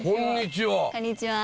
こんにちは。